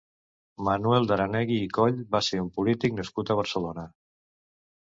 Manuel de Aranegui i Coll va ser un polític nascut a Barcelona.